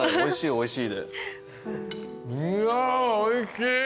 おいしい。